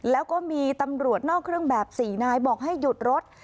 แล้วก็มีตำรวจนอกเครื่องแบบ๔นายบอกให้หยุดรถ